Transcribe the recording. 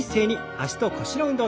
脚と腰の運動。